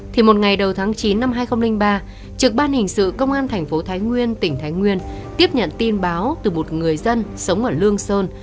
thì một ngày đầu tháng chín năm hai nghìn ba trực ban hình sự công an thành phố thái nguyên tỉnh thái nguyên tiếp nhận tin báo từ một người dân sống ở lương sơn